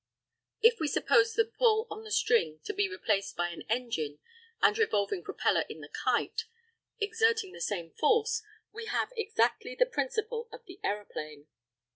If we suppose the pull on the string to be replaced by an engine and revolving propeller in the kite, exerting the same force, we have exactly the principle of the aeroplane.